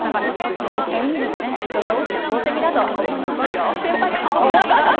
そういった意味でも非常に大きな功績だと思いますよ。